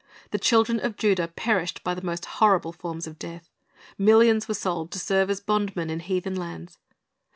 The children of Judah perished by the most horrible forms of death. Millions were sold, to serve as bondmen in heathen lands.